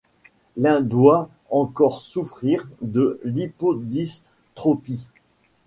L’un doit encore souffrir de lipodystrophies.